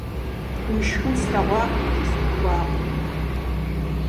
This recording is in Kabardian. Уи шхын слъэгъуакъым икӀи сӀухуакъым.